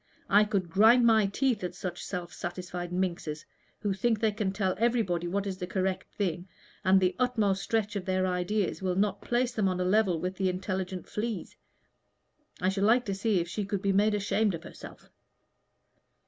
I could grind my teeth at such self satisfied minxes, who think they can tell everybody what is the correct thing, and the utmost stretch of their ideas will not place them on a level with the intelligent fleas. I should like to see if she could be made ashamed of herself."